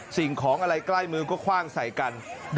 สิ่งของอะไรใกล้มือก็คว่างใส่กัน